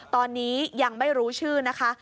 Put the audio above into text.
ตอนนี้ยังไม่รู้ชื่อนะคะ